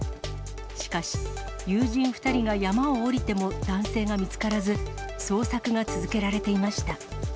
しかし、友人２人が山を下りても男性が見つからず、捜索が続けられていました。